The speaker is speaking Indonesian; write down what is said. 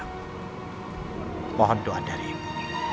mohon doa dari ibu